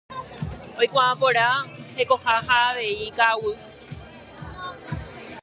Oikuaa porã hekoha ha avei ka'aguy.